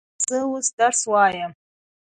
زه اوس درس وایم.